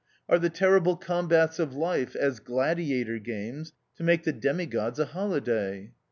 Are the terrible com bats of life as gladiator games to make the demigods a holiday